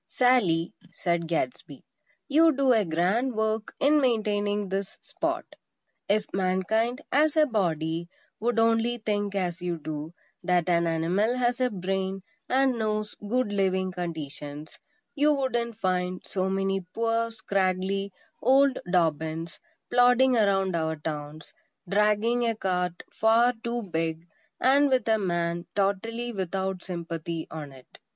"Sally," said Gadsby, "you do a grand work in maintaining this spot. If Mankind, as a body, would only think as you do, that an animal has a brain, and knows good living conditions, you wouldn't find so many poor, scraggly old Dobbins plodding around our towns, dragging a cart far too big; and with a man totally without sympathy on it."